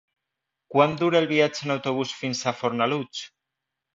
Quant dura el viatge en autobús fins a Fornalutx?